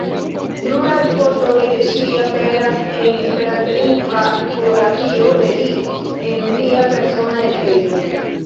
Pluraj fotoj de ŝi aperas en esperantlingva biografio de li en lia persona retejo.